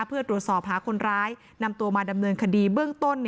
เพื่อตรวจสอบหาคนร้ายนำตัวมาดำเนินคดีเบื้องต้น